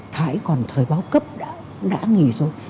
thái còn thời báo cấp đã nghỉ rồi